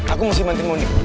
aku harus bantuin moni